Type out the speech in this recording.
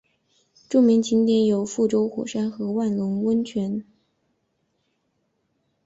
著名景点有覆舟火山和万隆温泉。